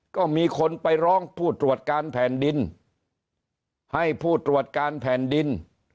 ก็มีคนไปร้องผู้ตรวจการแผ่นดินให้ผู้ตรวจการแผ่นดิน